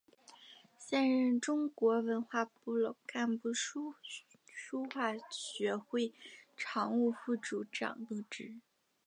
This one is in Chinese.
现任中国文化部老干部书画学会常务副会长等职。